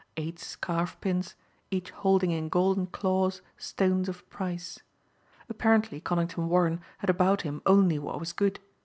Eight scarf pins, each holding in golden claws stones of price. Apparently Conington Warren had about him only what was good.